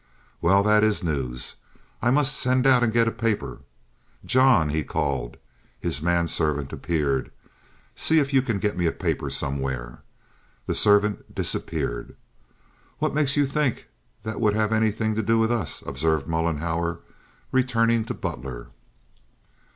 "Well, that is news. I must send out and get a paper. John!" he called. His man servant appeared. "See if you can get me a paper somewhere." The servant disappeared. "What makes you think that would have anything to do with us?" observed Mollenhauer, returning to Butler.